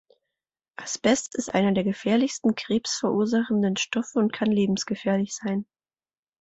Asbest ist einer der gefährlichsten krebsverursachenden Stoffe und kann lebensgefährlich sein.